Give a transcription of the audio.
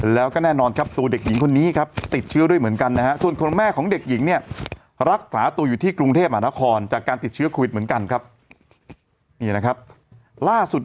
แล้วก็แน่นอนครับตัวเด็กหญิงคนนี้ครับติดเชื้อด้วยเหมือนกันนะฮะ